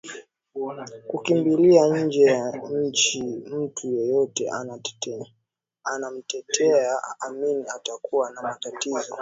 kukimbilia nje ya nchi Mtu yeyote anayemtetea Amin atakuwa na matatizo